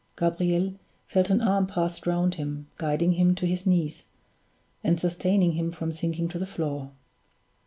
Gabriel felt an arm passed round him, guiding him to his knees, and sustaining him from sinking to the floor.